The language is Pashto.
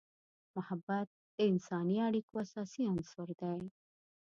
محبت د انسانی اړیکو اساسي عنصر دی.